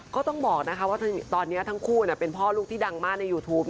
ก็ต้องบอกว่าตอนนี้ทั้งคู่เป็นพ่อลูกที่ดังมากในยูทูป